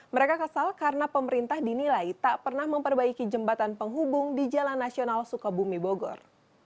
mereka kesal karena pemerintah dinilai tak pernah memperbaiki jembatan penghubung di jalan nasional sukabumi bogor